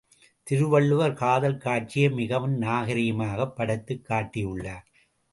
திருவள்ளுவர் காதல் காட்சியை மிகவும் நாகரிகமாகப் படைத்துக் காட்டியுள்ளார்.